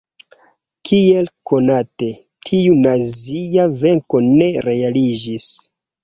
Kiel konate, tiu nazia venko ne realiĝis.